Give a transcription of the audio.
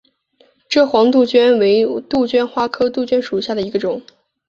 蔗黄杜鹃为杜鹃花科杜鹃属下的一个种。